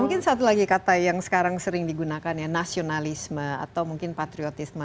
mungkin satu lagi kata yang sekarang sering digunakan ya nasionalisme atau mungkin patriotisme